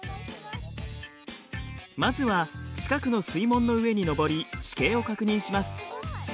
まずは近くの水門の上に上り地形を確認します。